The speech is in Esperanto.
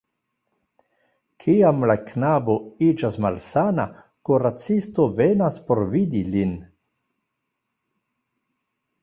Kiam la knabo iĝas malsana, kuracisto venas por vidi lin.